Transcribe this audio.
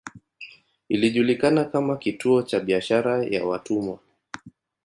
Ilijulikana kama kituo cha biashara ya watumwa.